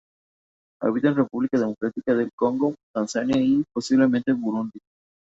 Habita en República Democrática del Congo, Tanzania y posiblemente Burundi.